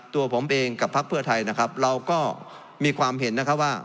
ตัวผมเองกับพักเพื่อไทยนะครับเราก็มีความเห็นนะครับว่า